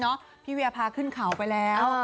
หน้านี้เนาะพี่เวียพาขึ้นเข่าไปแล้ว